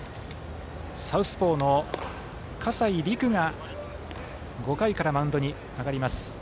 サウスポーの葛西陸が５回からマウンドに上がります。